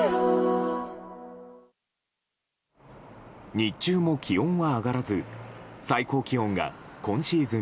日中も気温は上がらず最高気温が今シーズン